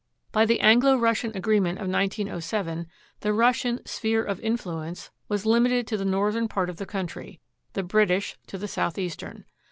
By the Anglo Russian agreement of 1907, the Russian "sphere of influence" was limited to the northern part of the country, the British to the southeastern.